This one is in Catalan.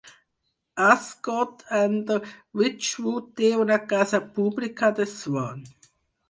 Ascott-under-Wychwood té una casa pública, The Swan.